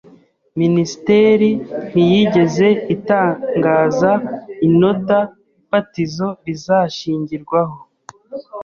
Minisiteri ntiyigeze itangaza inota fatizo rizashingirwaho